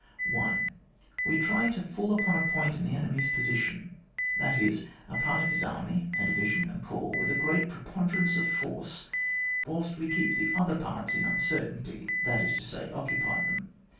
1. We try to fall upon a point in the enemy's position ; that is, a part of his army (a division, a cor^s), with a great preponderance of force, whilst we keep the other parts in uncertainty, that is to say, occupy them.